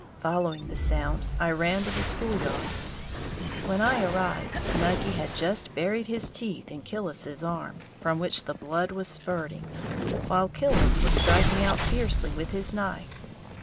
Following the sound, I ran to the school yard. When I arrived, Nucky had just buried his teeth in Killis's arm, from which the blood was spurting, while Killis was striking out fiercely with his knife.